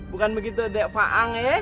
bukan begitu deh pak ang